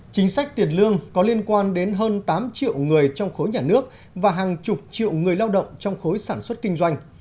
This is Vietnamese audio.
chính sách tiền lương có liên quan đến hơn tám triệu người trong khối nhà nước và hàng chục triệu người lao động trong khối sản xuất kinh doanh